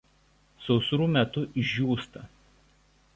Sausrų metu išdžiūsta.